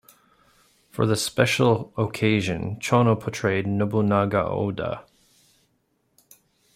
For the special occasion, Chono portrayed Nobunaga Oda.